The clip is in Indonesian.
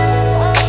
terima kasih ya allah